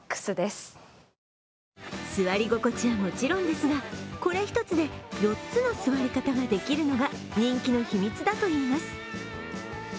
座り心地はもちろんですが、これ１つで４つの座り方ができるのが人気の秘密だといいます。